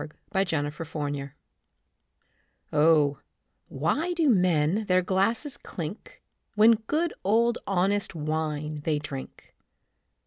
THE FIVE SENSES Oh, why do men their glasses clink When good old honest wine they drink?